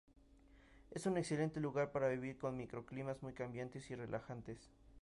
Es un excelente lugar para vivir con micro climas muy cambiantes y relajantes.